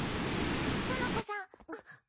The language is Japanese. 園子さん。